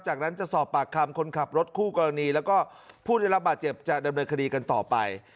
จากนั้นจะสอบปากคำคนขับรถคู่กรณีแล้วก็ผู้ได้รับบาดเจ็บจะดำเนินคดีกันต่อไป